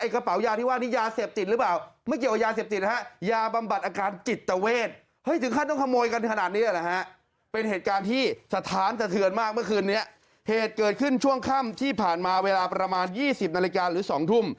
คนเจ็บก็คือคุณกิติพัท